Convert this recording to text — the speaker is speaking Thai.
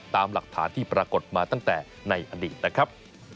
ตามหลักฐานที่ปรากฏมาตั้งแต่ในอดีตนะครับ